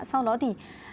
sau đó thì